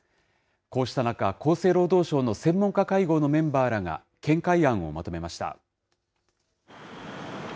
こうした中、厚生労働省の専門家会合のメンバーらが、見解案をまとめました。